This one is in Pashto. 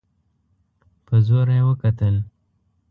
په زوره يې وکتل.